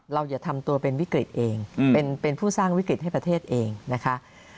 อย่าทำตัวเป็นวิกฤตเองเป็นผู้สร้างวิกฤตให้ประเทศเองนะคะ